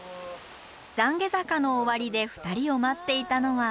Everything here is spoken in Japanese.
ざんげ坂の終わりで２人を待っていたのは。